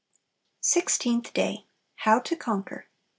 16. Sixteenth Day. How to Conquer.